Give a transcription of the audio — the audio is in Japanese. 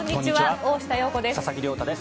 大下容子です。